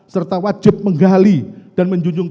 serta wajib menggali dan menjunjung